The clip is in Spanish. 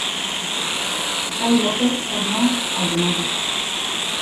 fray Lope tornó a llenarlos: